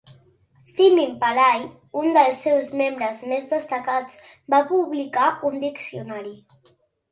Simin Palay, un dels seus membres més destacats, va publicar un diccionari.